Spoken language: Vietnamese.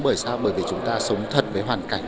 bởi vì chúng ta sống thật với hoàn cảnh